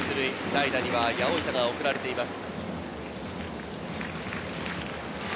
代打には八百板が送られています。